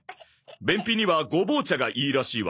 便秘にはゴボウ茶がいいらしいわよ。